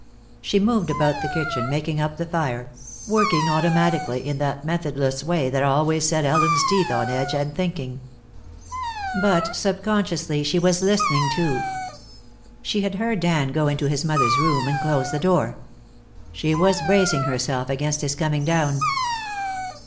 She moved about the kitchen, making up the fire, working automatically in that methodless way that always set Ellen's teeth on edge, and thinking. But subconsciously she was listening, too. She had heard Dan go into his mother's room and close the door. She was bracing herself against his coming down.